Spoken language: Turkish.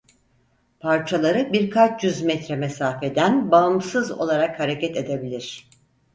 Parçaları birkaç yüz metre mesafeden bağımsız olarak hareket edebilir.